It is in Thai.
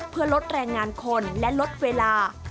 เพื่อลดแรงงานคนและลดเวลา